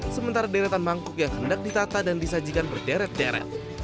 sementara deretan mangkuk yang hendak ditata dan disajikan berderet deret